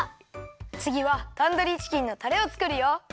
つぎはタンドリーチキンのタレをつくるよ！